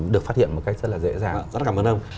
được phát hiện một cách rất là dễ dàng rất cảm ơn ông